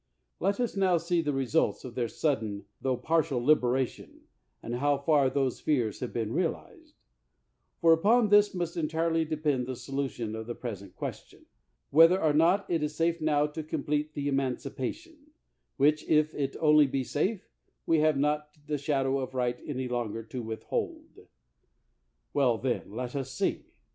Let us now see the results of their sudden tho partial liberation, and how far those fears have been realized; for upon this must entirely de pend the solution of the present question — whether or not it is safe now to complete the emancipation, which, if it only be safe, we have not the shadow of right any longer to withhold. Well, then, let us see.